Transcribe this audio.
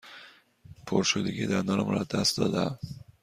پرشدگی دندانم را از دست داده ام.